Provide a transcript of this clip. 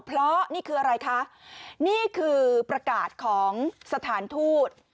เพราะนี่คืออะไรคะนี่คือประกาศของสถานทูต